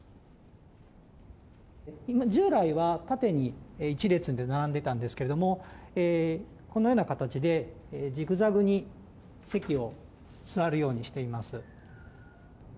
従来は縦に１列で並んでたんですけれども、このような形でジグザグに席を座るようにしています。